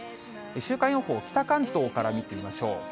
週間予報、北関東から見てみましょう。